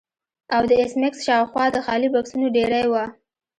او د ایس میکس شاوخوا د خالي بکسونو ډیرۍ وه